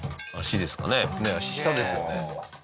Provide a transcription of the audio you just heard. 下ですよね。